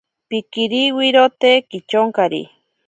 Pikiriwirote kityonkari.